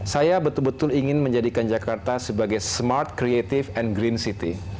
saya betul betul ingin menjadikan jakarta sebagai smart creative and green city